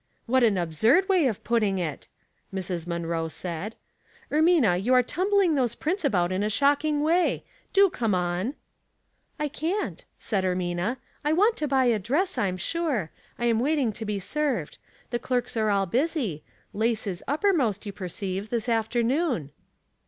" What an absurd way of putting it I " Mrs. Munroe said. '' Ermina, you are tumbling those prints about in a shocking way. Do coma on I'* 248 Household Puzzles, " I can't," said Ermina. '' I waut to buy a dress, I'm sure. I am waiting to be served. The clerks are all busy — lace is uppermost, you perceive, this afternoon."